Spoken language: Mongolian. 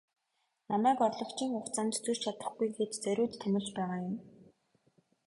Намайг орлогчийн хугацаанд зөрж чадахгүй гээд зориуд томилж байгаа юм.